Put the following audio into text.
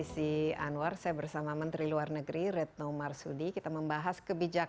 saya ingin mengingatkan bahwa